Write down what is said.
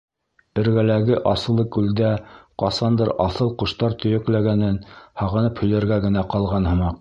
Эргәләге Асылыкүлдә ҡасандыр аҫыл ҡоштар төйәкләгәнен һағынып һөйләргә генә ҡалған һымаҡ.